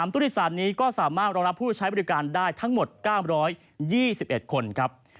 ผู้โดยสารนี้ก็สามารถรองรับผู้ใช้บริการได้ทั้งหมด๙๒๑คนครับ